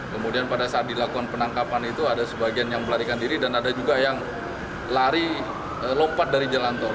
kemudian pada saat dilakukan penangkapan itu ada sebagian yang melarikan diri dan ada juga yang lari lompat dari jalan tol